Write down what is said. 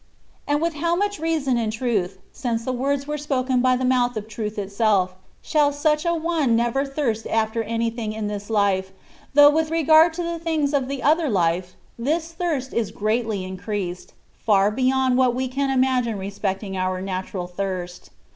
^^ And with how much reason and truth (since the words were spoken by the mouth of Truth itself), shall such an one never thirst after anything in this life, though with regard to the things of the other life, this thirst is greatly increased, far beyond what we can imagine respecting our natural thirst.